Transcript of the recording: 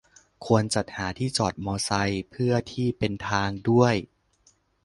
ควรจัดหาที่จอดมอไซค์เพื่อที่เป็นทางด้วย